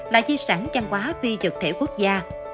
là di sản trang quá phi vật thể quốc gia